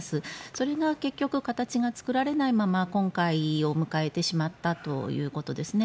それが結局、形が作られないまま今回を迎えてしまったということですね。